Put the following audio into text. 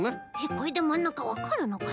これでまんなかわかるのかな？